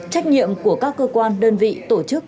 trách nhiệm của các cơ quan đơn vị tổ chức